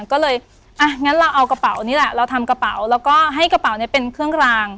ก็เลยอ่ะงั้นเราเอากระเป๋านี่แหละเราทำกระเป๋าแล้วก็ให้กระเป๋าเนี่ยเป็นเครื่องราง